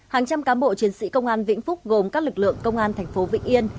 hàng trăm cám bộ chiến sĩ công an vĩnh phúc gồm các lực lượng công an tp vĩnh yên